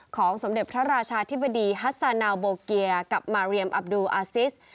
สมเด็จพระราชาธิบดีฮัสซานาวโบเกียกับมาเรียมอับดูอาซิส